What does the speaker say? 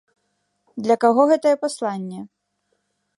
Для каго гэтае пасланне?